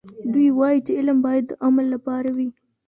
دوی وایي چې علم باید د عمل لپاره وي.